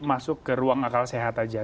masuk ke ruang akal sehat aja